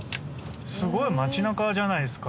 すごい街なかじゃないですか